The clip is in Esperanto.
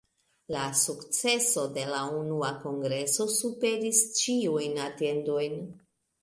La sukceso de la unua kongreso superis ĉiujn atendojn.